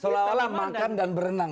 seolah olah makan dan berenang